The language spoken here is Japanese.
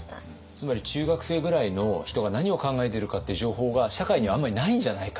つまり中学生ぐらいの人が何を考えてるかっていう情報が社会にあんまりないんじゃないか？